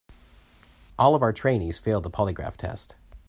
All of our trainees failed the polygraph test.